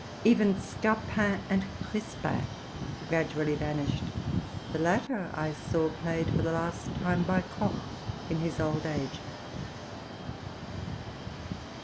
Even Seapin and Crispin gradually vanished: the latter I saw played for the last time by Koch in his old age.